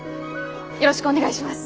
よろしくお願いします！